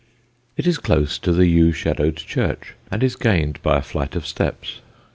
It is close to the yew shadowed church, and is gained by a flight of steps.